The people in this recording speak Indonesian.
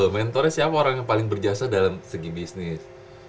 mentornya siapa orang yang paling berjasa dalam segi bisnis